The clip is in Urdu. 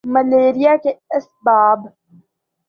ملیریا کے اسباب